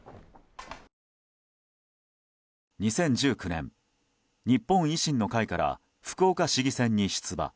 ２０１９年、日本維新の会から福岡市議選に出馬。